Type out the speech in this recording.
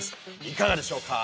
いかがでしょうか？